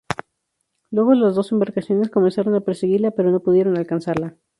Luego las dos embarcaciones comenzaron a perseguirla, pero no pudieron alcanzarla.